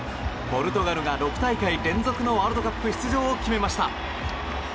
ポルトガルが６大会連続のワールドカップ出場を決めました。